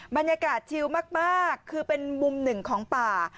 บรรยากาศชิลมากคือเป็นมุมหนึ่งของป่า